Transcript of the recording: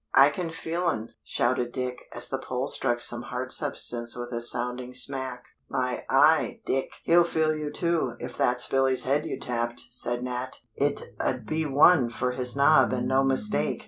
"I can feel un," shouted Dick, as the pole struck some hard substance with a sounding smack. "My eye, Dick! he'll feel you too, if that's Billy's head you tapped," said Nat; "it 'ud be one for his nob and no mistake."